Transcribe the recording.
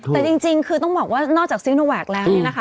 แต่จริงคือต้องบอกว่านอกจากซีโนแวคแล้วเนี่ยนะคะ